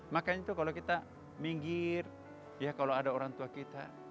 makanya itu kalau kita minggir ya kalau ada orang tua kita